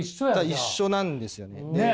一緒なんですよね。